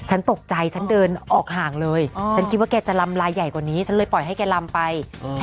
ฉันตกใจฉันเดินออกห่างเลยฉันคิดว่าแกจะลำลายใหญ่กว่านี้ฉันเลยปล่อยให้แกลำไป